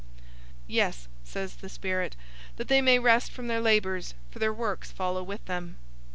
'" "Yes," says the Spirit, "that they may rest from their labors; for their works follow with them."